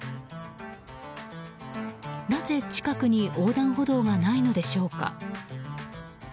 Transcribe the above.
なぜ近くに横断歩道がないのでしょうか。